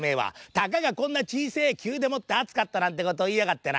たかがこんなちいせえ灸でもってあつかったなんてことをいいやがってな。